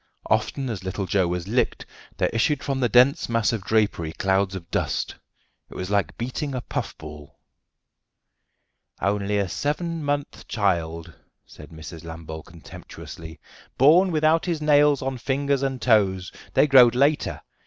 Often as little Joe was "licked" there issued from the dense mass of drapery clouds of dust. It was like beating a puff ball. "Only a seven month child," said Mrs. Lambole contemptuously, "born without his nails on fingers and toes; they growed later.